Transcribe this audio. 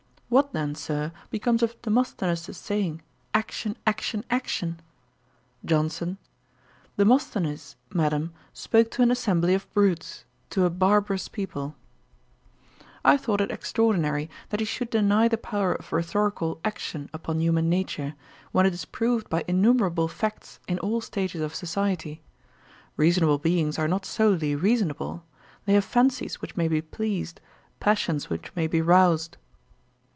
'What then, Sir, becomes of Demosthenes's saying? "Action, action, action!"' JOHNSON. 'Demosthenes, Madam, spoke to an assembly of brutes; to a barbarous people.' I thought it extraordinary, that he should deny the power of rhetorical action upon human nature, when it is proved by innumerable facts in all stages of society. Reasonable beings are not solely reasonable. They have fancies which may be pleased, passions which may be roused.